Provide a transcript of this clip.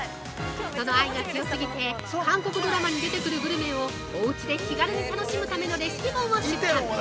その愛が強過ぎて、韓国ドラマに出てくるグルメをおうちで気軽に楽しむためのレシピ本を出版。